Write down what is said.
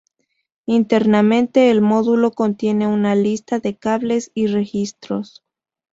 Internamente un módulo contiene una lista de cables y registros.